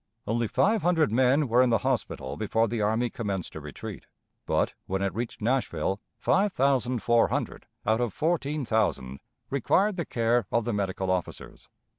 Only five hundred men were in the hospital before the army commenced to retreat, but, when it reached Nashville, five thousand four hundred out of fourteen thousand required the care of the medical officers.